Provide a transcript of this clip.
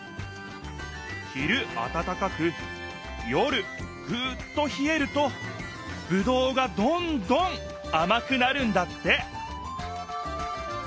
昼あたたかく夜ぐっとひえるとぶどうがどんどんあまくなるんだって！